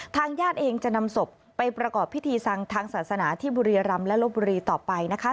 ทางญาติเองจะนำศพไปประกอบพิธีทางศาสนาที่บุรีรำและลบบุรีต่อไปนะคะ